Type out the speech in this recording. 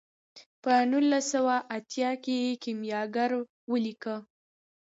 په نولس سوه اته اتیا کې یې کیمیاګر ولیکه.